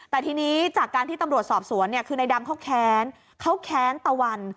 แต่ทีนี้จากการที่ตำรวจสอบสวนเนี่ยคือในดำเขาแค้นเขาแค้นตะวัน